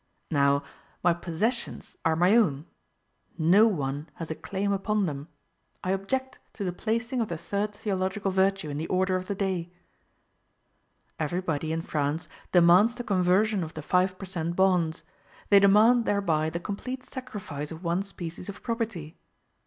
Now, my possessions are my own; no one has a claim upon them: I object to the placing of the third theological virtue in the order of the day. Everybody, in France, demands the conversion of the five per cent. bonds; they demand thereby the complete sacrifice of one species of property.